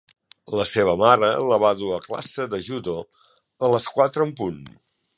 La seva mare la va dur a classe de judo a les quatre en punt.